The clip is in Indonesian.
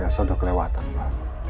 elsa sudah kelewatan mba